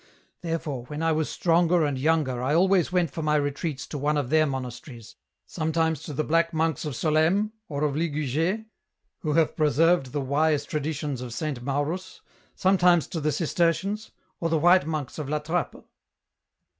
Therefore, when I was stronger and younger, I always went for my retreats to one of their monasteries, sometimes to the black monks of Solesnies, or of Ligug^, who have preserved the wise traditions of Saint Maurus, sometimes to the Cistercians, or the white monks of La Trappe."